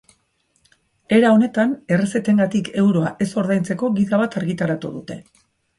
Era honetan, errezetengatik euroa ez ordaintzeko gida bat argitaratu dute.